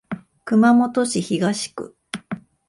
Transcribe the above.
熊本市東区